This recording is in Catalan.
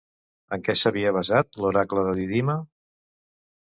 En què s'havia basat l'oracle de Didima?